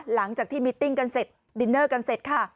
หลังจากที่มิตติ้งกันเสร็จดินเนอร์กันเสร็จค่ะ